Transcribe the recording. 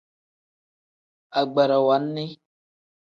Agbarawa nni.